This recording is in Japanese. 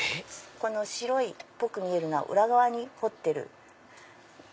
白い濃く見えるのは裏側に彫ってる。